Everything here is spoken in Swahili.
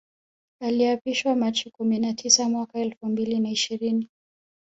Aliapishwa Machi kumi na tisa mwaka elfu mbili na ishirini